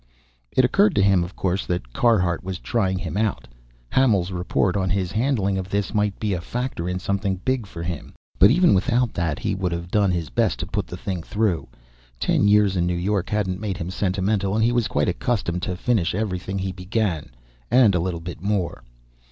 It occurred to him, of course, that Carhart was trying him out. Hamil's report on his handling of this might be a factor in something big for him, but even without that he would have done his best to put the thing through. Ten years in New York hadn't made him sentimental and he was quite accustomed to finish everything he began and a little bit more.